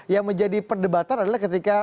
yang menjadi perdebatan adalah ketika